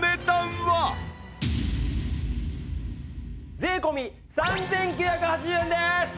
税込３９８０円です！